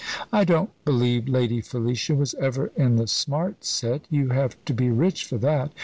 "I don't believe Lady Felicia was ever in the smart set. You have to be rich for that.